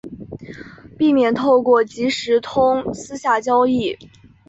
避免透过即时通私下交易